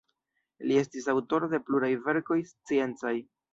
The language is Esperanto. Li estis aŭtoro de pluraj verkoj sciencaj.